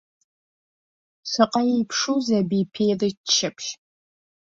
Шаҟа еиԥшузеи аби ԥеи рыччаԥшь!